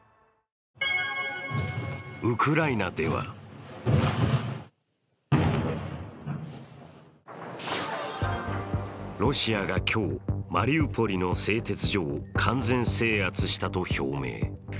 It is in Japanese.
ウクライナではロシアが今日、マリウポリの製鉄所を完全制圧したと表明。